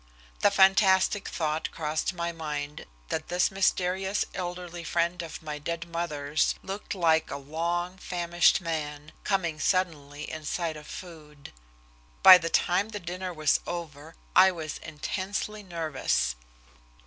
The fantastic thought crossed my mind that this mysterious elderly friend of my dead mother's looked like a long famished man, coming suddenly in sight of food. By the time the dinner was over I was intensely nervous.